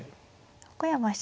横山七段